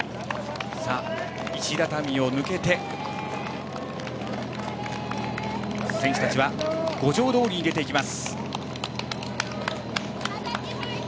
石畳を抜けて、選手たちは五条通に出て行きます。